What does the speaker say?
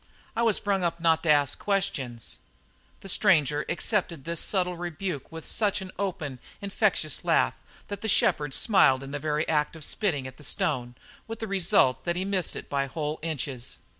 I was brung up not to ask questions." The stranger accepted this subtle rebuke with such an open, infectious laugh that the shepherd smiled in the very act of spitting at the stone, with the result that he missed it by whole inches.